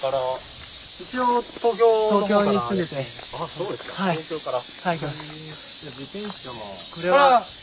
そうですか東京から。